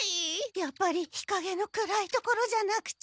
やっぱり日かげの暗い所じゃなくちゃ。